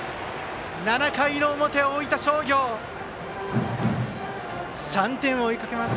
７回の表、大分商業３点を追いかけます。